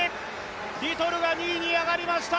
リトルが２位に上がりました。